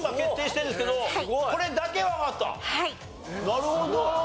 なるほど。